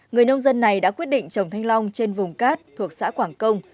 người nông dân này đã quyết định trồng thanh long trên vùng cát thuộc xã quảng công